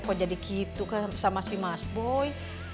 kok jadi gitu kan sama si mas boy